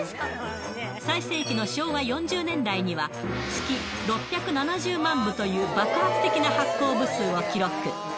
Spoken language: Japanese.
最盛期の昭和４０年代には、月６７０万部という爆発的な発行部数を記録。